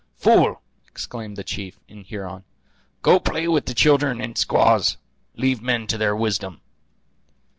"Fool!" exclaimed the chief, in Huron, "go play with the children and squaws; leave men to their wisdom."